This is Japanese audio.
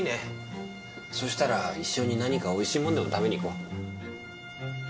そうしたら一緒に何かおいしいものでも食べに行こう。